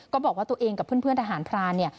ก็บอกว่าตัวเองกับเพื่อนทหารพราน